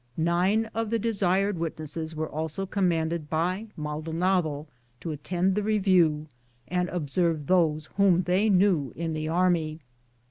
Nine of the desired witnesses were also commanded by Maldonado to attend the review and observe those whom they knew in the army.